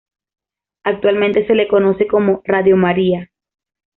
Actualmente se le conoce como Radio María.